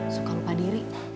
suka lupa diri